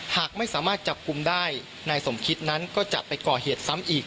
หากไม่สามารถจับกลุ่มได้นายสมคิดนั้นก็จะไปก่อเหตุซ้ำอีก